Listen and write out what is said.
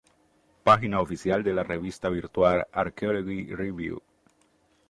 Página oficial de la revista Virtual Archaeology Review